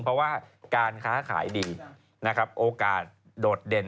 เพราะว่าการค้าขายดีนะครับโอกาสโดดเด่น